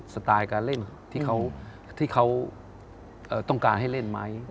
สไตล์การเล่นที่เขาต้องการให้เล่นไหม